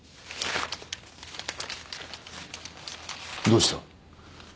どうした？